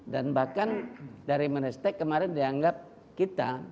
dan bahkan dari meristek kemarin dianggap kita